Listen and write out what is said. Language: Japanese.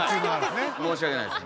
申し訳ないです。